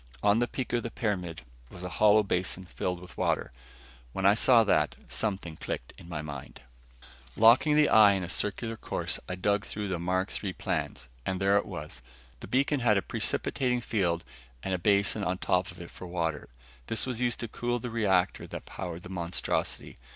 On the peak of the pyramid was a hollow basin filled with water. When I saw that, something clicked in my mind. Locking the eye in a circular course, I dug through the Mark III plans and there it was. The beacon had a precipitating field and a basin on top of it for water; this was used to cool the reactor that powered the monstrosity.